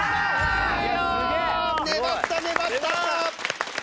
粘った粘った。